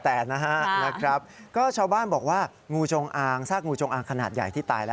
ทำความสะอาดเหรอหรอฮะ